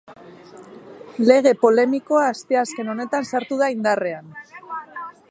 Lege polemikoa asteazken honetan sartu da indarrean.